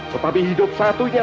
tetapi hidup satunya